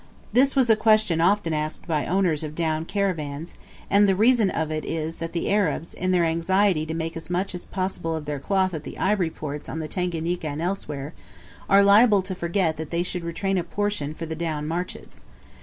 This was a question often asked by owners of down caravans, and the reason of it is that the Arabs, in their anxiety to make as much as possible of their cloth at the ivory ports on the Tanganika and elsewhere, are liable to forget that they should retain a portion for the down marches.